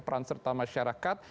peran serta masyarakat